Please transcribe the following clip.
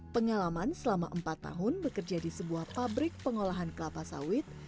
pengalaman selama empat tahun bekerja di sebuah pabrik pengolahan kelapa sawit